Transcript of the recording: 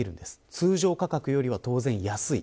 通常価格よりは当然安い。